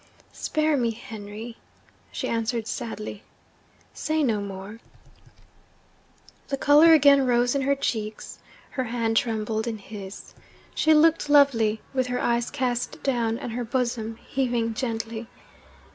'Spare me, Henry,' she answered sadly. 'Say no more!' The colour again rose in her cheeks; her hand trembled in his. She looked lovely, with her eyes cast down and her bosom heaving gently.